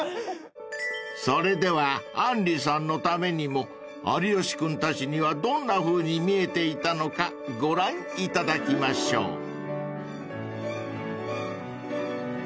［それではあんりさんのためにも有吉君たちにはどんなふうに見えていたのかご覧いただきましょう］